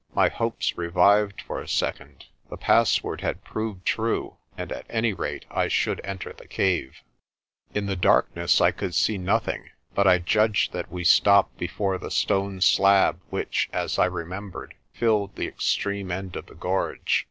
My hopes revived for a second. The password had proved true and at any rate I should enter the cave. I GO TREASURE HUNTING 131 In the darkness I could see nothing but I judged that we stopped before the stone slab which, as I remembered, filled the extreme end of the gorge.